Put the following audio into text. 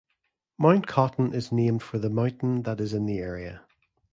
Mount Cotton is named for the mountain that is in the area.